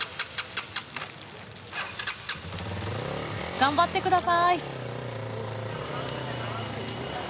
頑張って下さい！